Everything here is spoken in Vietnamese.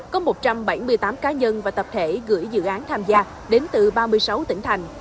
có một trăm bảy mươi tám cá nhân và tập thể gửi dự án tham gia đến từ ba mươi sáu tỉnh thành